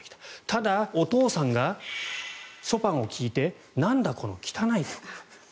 ただ、お父さんがショパンを聴いてなんだこの汚い曲は。